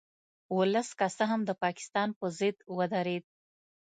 ولس که څه هم د پاکستان په ضد ودرید